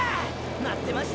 待ってました！